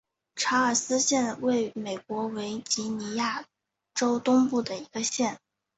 查尔斯城县位美国维吉尼亚州东部的一个县。